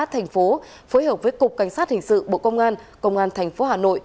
thành phố phối hợp với cục cảnh sát hình sự bộ công an công an thành phố hà nội